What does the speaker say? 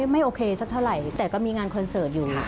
ไม่โอเคสักเท่าไหร่แต่ก็มีงานคอนเสิร์ตอยู่